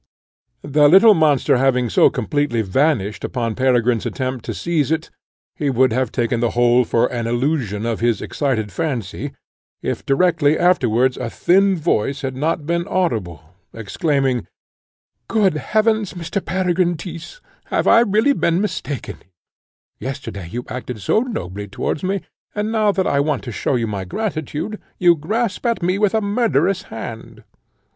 The little monster having so completely vanished upon Peregrine's attempt to seize it, he would have taken the whole for an illusion of his excited fancy, if directly afterwards a thin voice had not been audible, exclaiming, "Good heavens! Mr. Peregine Tyss! have I really been mistaken in you? Yesterday you acted so nobly towards me, and, now that I want to show my gratitude, you grasp at me with a murderous hand!